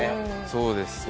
そうですよね。